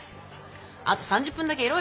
あと３０分だけいろよ。